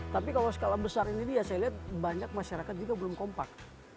tapi kalau skala besar ini ya saya lihat banyak masyarakat juga belum kompak